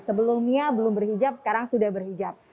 sebelumnya belum berhijab sekarang sudah berhijab